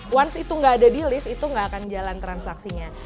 once itu nggak ada di list itu nggak akan jalan transaksinya